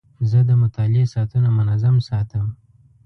زه د مطالعې ساعتونه منظم ساتم.